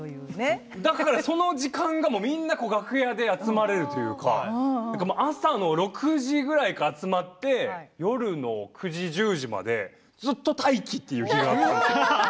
その時間、楽屋で集まれるというか朝の６時ぐらいから集まって夜の９時、１０時までずっと待機という日があったんですよ。